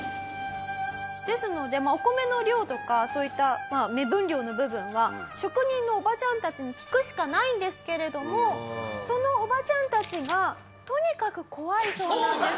ですのでお米の量とかそういった目分量の部分は職人のおばちゃんたちに聞くしかないんですけれどもそのおばちゃんたちがとにかく怖いそうなんです。